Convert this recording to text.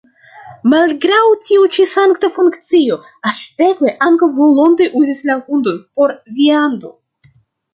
Malgraŭ tiu ĉi sankta funkcio, aztekoj ankaŭ volonte uzis la hundon por viando.